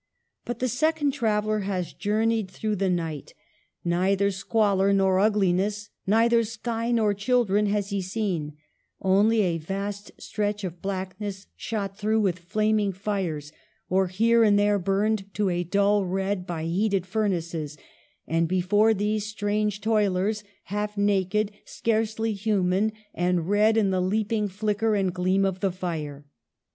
But the second trav eller has journeyed through the night ; neither 6 EMILY BRONTE. squalor nor ugliness, neither sky nor children, has he seen, only a vast stretch of blackness shot through with flaming fires, or here and there burned to a dull red by heated furnaces ; and before these, strange toilers, half naked, scarcely human, and red in the leaping flicker and gleam of the fire.